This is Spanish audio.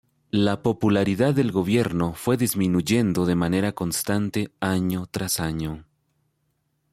La popularidad del gobierno fue disminuyendo de manera constante año tras año.